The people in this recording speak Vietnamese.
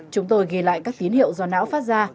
chúng tôi ghi lại các tín hiệu do não phát ra